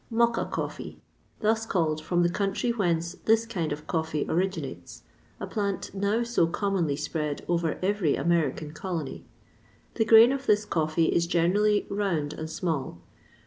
Mocha coffee, thus called from the country whence this kind of coffee originates, a plant now so commonly spread over every American colony. The grain of this coffee is generally round and small.